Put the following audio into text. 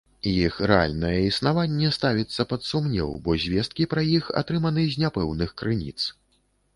Іх рэальнае існаванне ставіцца пад сумнеў, бо звесткі пра іх атрыманы з няпэўных крыніц.